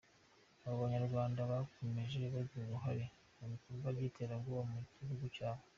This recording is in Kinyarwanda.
Abo Banyarwanda bakomeje kugira uruhare mu bikorwa by’iterabwoba mu gihugu cyabo.